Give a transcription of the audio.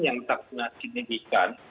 yang tak pernah signifikan